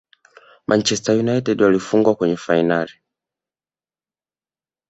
manchester united walifungwa kwenye fainali